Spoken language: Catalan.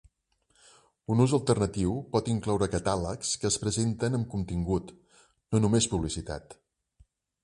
Un ús alternatiu pot incloure catàlegs que es presenten amb contingut, no només publicitat.